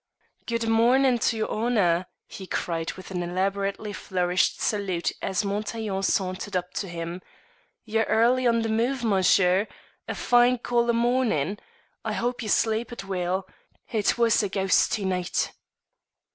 "Gude mornin' to your honour," he cried with an elaborately flourished salute as Montaiglon sauntered up to him. "Ye're early on the move, Monsher; a fine caller mornin'. I hope ye sleepit weel; it was a gowsty nicht."